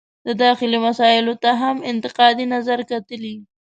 د داخلي مسایلو ته هم انتقادي نظر کتلي.